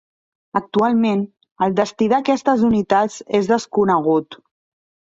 Actualment, el destí d'aquestes unitats és desconegut.